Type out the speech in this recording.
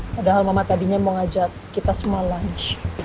padahal mama tadinya mau ngajak kita semua lunch